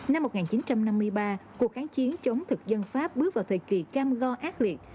năm một nghìn chín trăm năm mươi ba cuộc kháng chiến chống thực dân pháp bước vào thời kỳ cam go ác liệt